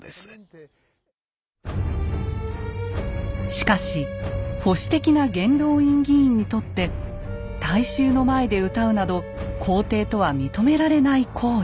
しかし保守的な元老院議員にとって大衆の前で歌うなど皇帝とは認められない行為。